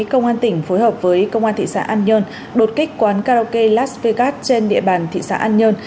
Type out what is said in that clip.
công an tỉnh phối hợp với công an thị xã an nhơn đột kích quán karaoke las vegas trên địa bàn thị xã an nhơn